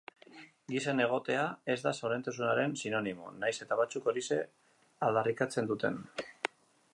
Gizen egotea ez da zoriontasunaren sinonimo, nahiz eta batzuk horixe aldarrikatzen duten.